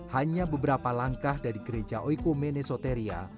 hanya beberapa langkah dari gereja oiko mene soteria